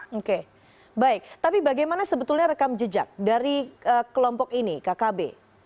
oke baik tapi bagaimana sebetulnya rekam jejak dari kelompok ini kkb